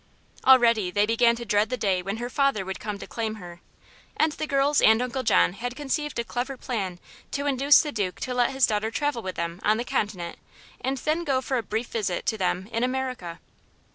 Already they began to dread the day when her father would come to claim her, and the girls and Uncle John had conceived a clever plan to induce the Duke to let his daughter travel with them on the continent and then go for a brief visit to them in America.